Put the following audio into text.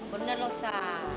bener loh sah